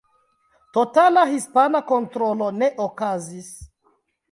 Totala hispana kontrolo ne okazis.